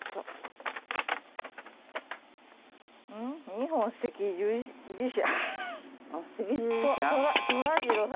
「日本赤十字社」